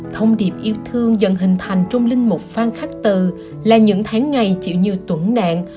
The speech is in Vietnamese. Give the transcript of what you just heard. thông điệp yêu thương dần hình thành trong linh mục phan khắc từ là những tháng ngày chịu nhiều tổn nạn